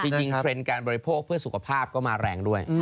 จริงเทรนด์การบริโภคเพื่อสุขภาพก็มาแรงด้วย